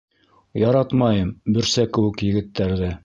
Яратмайым бөрсә кеүек егеттәрҙе.